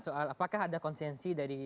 soal apakah ada konsensi dari